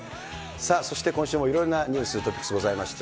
さあ、そして今週もいろいろなニュース、トピックスございました。